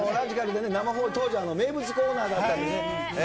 生放送、当時、名物コーナーだったんだよね。